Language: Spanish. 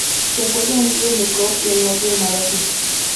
Se encuentra en el río Mekong y al norte de Malasia.